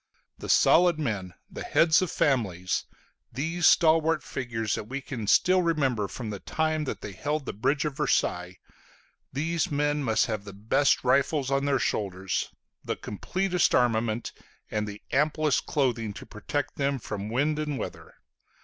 The solid men, the heads of families, these stalwart figures that we can still remember from the time that they held the bridge of Versailles, these men must have the best rifles on their shoulders, the completest armament, and the amplest clothing to protect them from wind and weather.